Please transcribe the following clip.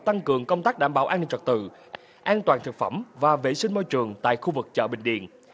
tăng cường công tác đảm bảo an ninh trật tự an toàn thực phẩm và vệ sinh môi trường tại khu vực chợ bình điền